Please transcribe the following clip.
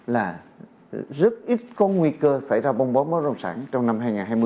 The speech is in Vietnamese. là rất ít có nguy cơ xảy ra bông bóng bóng rồng sản trong năm hai nghìn hai mươi